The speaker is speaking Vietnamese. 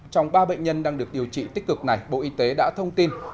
trong ba bệnh nhân đang được điều trị tích cực này bộ y tế đã thông tin